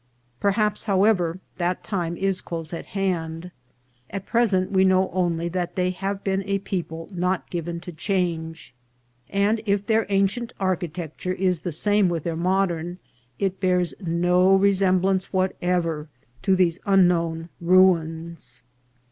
Perhaps, however, that time is close at hand. At present we know only that they have been a people not given to change ; and if their ancient architecture is the same with their modern, it bears no resemblance whatever to these unknown ruins.